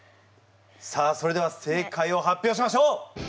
さあそれでは正解を発表しましょう！